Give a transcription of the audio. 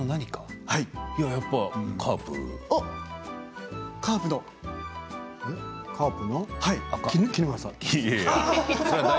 やっぱりカープ？